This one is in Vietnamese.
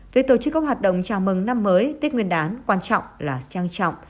về tổ chức các hoạt động chào mừng năm mới tích nguyên đán quan trọng là trang trọng